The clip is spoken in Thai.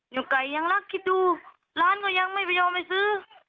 ไก่ยังรักคิดดูร้านก็ยังไม่พยอมไปซื้อ